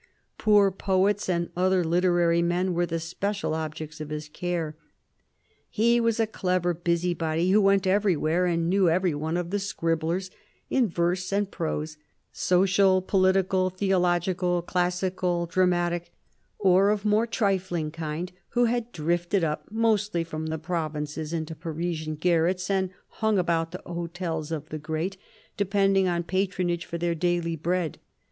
Poor poets and other literary men were the special objects of his care. He was a clever busybody who went everywhere and knew every 244 CARDINAL DE RICHELIEU one of the scribblers in verse and prose, social, political, theological, classical, dramatic, or of more trifling kind, who had drifted up mostly from the provinces into Parisian garrets and hung about the hotels of the great, depending on patronage for their daily bread.